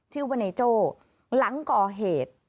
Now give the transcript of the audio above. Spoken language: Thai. ชื่อว่านายโจ้หลังก่อเหตุ